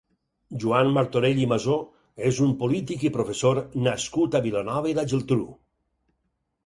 Joan Martorell i Masó és un polític i professor nascut a Vilanova i la Geltrú.